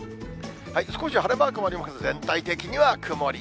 少し晴れマークもありますが、全体的には曇り。